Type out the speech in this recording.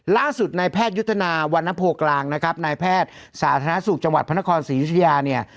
ล่าสุดนายแพทยุทธนาวรรณโพกลางนะครับนายแพทย์สาธารณสุขจังหวัดพระนครศรียุธยาเนี่ย